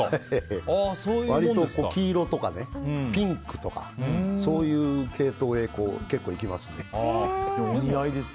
割と黄色とかピンクとかそういう系統にお似合いですよ。